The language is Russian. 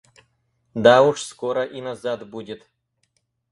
Да уж скоро и назад будет.